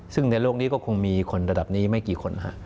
ซึ่งในโลกนี้ก็คงมีคนระดับนี้ไม่กี่คน